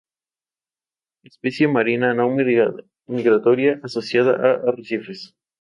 Especie marina, no migratoria, asociada a arrecifes.